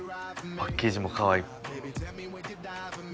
パッケージもかわいい。